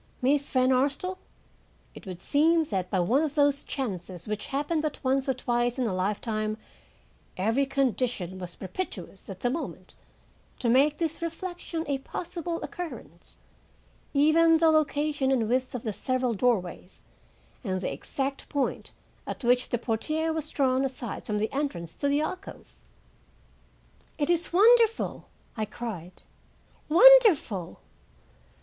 Miss Van Arsdale, it would seem that by one of those chances which happen but once or twice in a lifetime, every condition was propitious at the moment to make this reflection a possible occurrence, even the location and width of the several doorways and the exact point at which the portiere was drawn aside from the entrance to the alcove." "It is wonderful," I cried, "wonderful!"